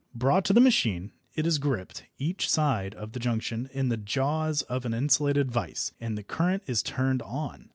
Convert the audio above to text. Brought to the machine, it is gripped, each side of the junction, in the jaws of an insulated vice and the current is turned on.